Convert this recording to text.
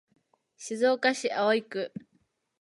静岡市葵区